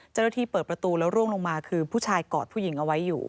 เจ้าหน้าที่เปิดประตูแล้วร่วงลงมาคือผู้ชายกอดผู้หญิงเอาไว้อยู่